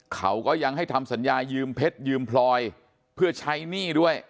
เขาก็ยังให้ทำสัญญายืมเพชรยืมพลอยเพื่อใช้หนี้ด้วย